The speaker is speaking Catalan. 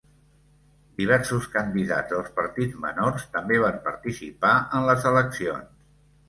Diversos candidats dels partits menors també van participar en les eleccions.